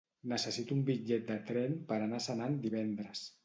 Necessito un bitllet de tren per anar a Senan divendres.